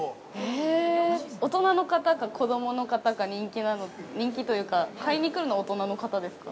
◆えー、大人の方か子供の方か、人気というか、買いに来るのは大人の方ですか。